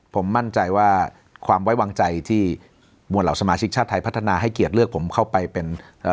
ผมมั่นใจว่าความไว้วางใจที่มวลเหล่าสมาชิกชาติไทยพัฒนาให้เกียรติเลือกผมเข้าไปเป็นเอ่อ